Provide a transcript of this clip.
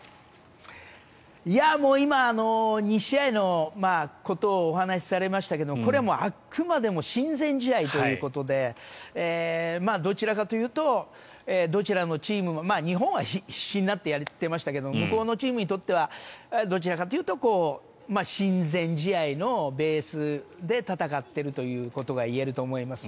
今、２試合のことをお話されましたけどこれはあくまでも親善試合ということでどちらかというとどちらのチームも日本は必死になってやってましたが向こうのチームにとってはどちらかというと親善試合のベースで戦っているということが言えると思います。